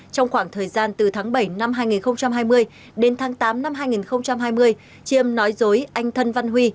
trong khoảng thời gian từ tháng bảy năm hai nghìn hai mươi đến tháng tám năm hai nghìn hai mươi chiêm nói dối anh thân văn huy